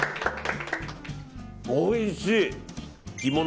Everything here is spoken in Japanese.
おいしい。